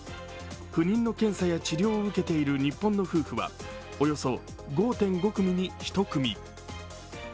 不妊の検査や治療を受けている日本の夫婦はおよそ５．５組に１組。